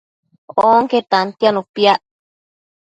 Onque tantianu piac